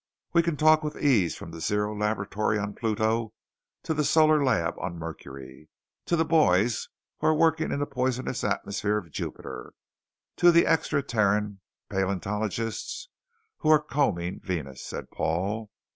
"We can talk with ease from the Zero Laboratory on Pluto to the Solar Lab on Mercury, to the boys who are working in the poisonous atmosphere of Jupiter, to the extra terran paleontologists who are combing Venus," said Paul.